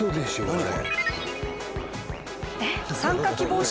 これ。